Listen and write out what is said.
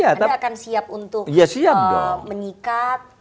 anda akan siap untuk menyikat tanpa tedeng aling aling